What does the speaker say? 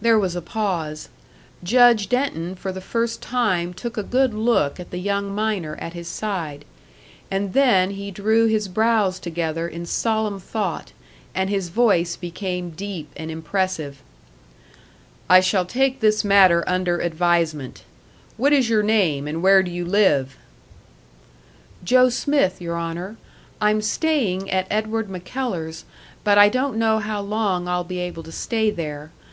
There was a pause. Judge Denton for the first time took a good look at the young miner at his side; and then he drew his brows together in solemn thought, and his voice became deep and impressive. "I shall take this matter under advisement. What is your name, and where do you live?" "Joe Smith, your Honour. I'm staying at Edward MacKellar's, but I don't know how long I'll be able to stay there.